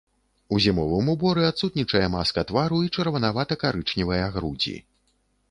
У зімовым уборы адсутнічае маска твару і чырванавата-карычневая грудзі.